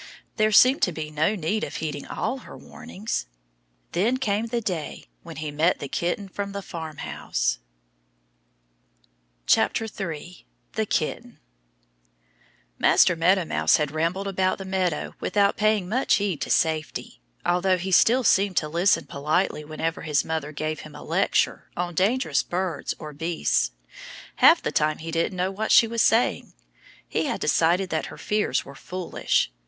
There seemed to be no need of heeding all her warnings. Then came the day when he met the kitten from the farmhouse. 3 The Kitten MASTER MEADOW MOUSE had rambled about the meadow without paying much heed to safety. Although he still seemed to listen politely whenever his mother gave him a lecture on dangerous birds or beasts, half the time he didn't know what she was saying. He had decided that her fears were foolish.